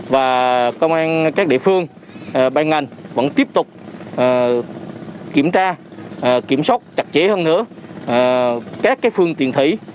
và công an các địa phương ban ngành vẫn tiếp tục kiểm tra kiểm soát chặt chẽ hơn nữa các phương tiện thủy